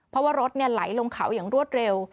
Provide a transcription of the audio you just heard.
เพราะว่ารถไหลลงเขาอย่างรวดเร็ว